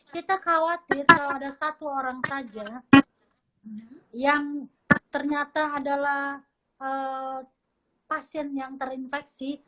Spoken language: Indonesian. kita khawatir kalau ada satu orang saja yang ternyata adalah pasien yang terinfeksi